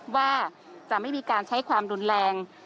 ว่าจะไม่มีการใช้ความรุนแรง